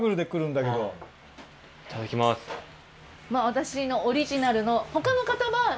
私のオリジナルの他の方はまた。